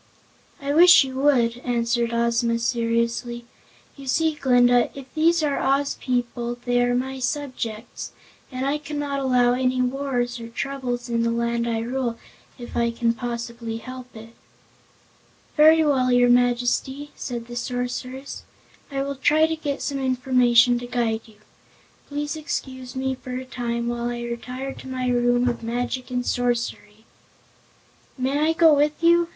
"I wish you would," answered Ozma seriously. "You see, Glinda, if these are Oz people they are my subjects and I cannot allow any wars or troubles in the Land I rule, if I can possibly help it." "Very well, your Majesty," said the Sorceress, "I will try to get some information to guide you. Please excuse me for a time, while I retire to my Room of Magic and Sorcery." "May I go with you?"